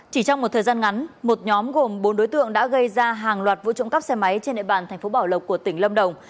chỉ trong một thời gian ngắn một nhóm gồm bốn đối tượng đã gây ra hàng loạt vụ trộm cắp xe máy trên hệ bản tp bảo lộc của tỉnh lâm đồng